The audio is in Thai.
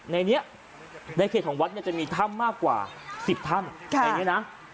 ในเขตของวัดจะมีถ้ำมากกว่า๑๐ถ้ำ